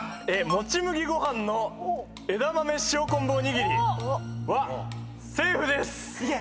もち麦ごはんの枝豆塩昆布おにぎりはセーフです！